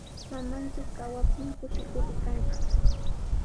Mamanchik kawaptin kushikur rikanchik.